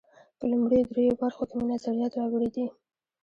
په لومړیو درېیو برخو کې مې نظریات راوړي دي.